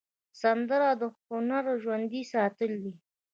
سندره د هنر ژوندي ساتل دي